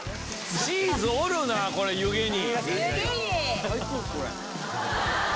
チーズおるなぁ湯気に。